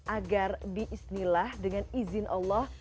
agar diisnilah dengan izin allah